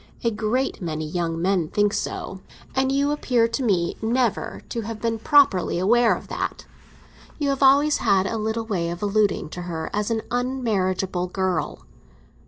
A great many young men think so; and you appear to me never to have been properly aware of that. You have always had a little way of alluding to her as an unmarriageable girl."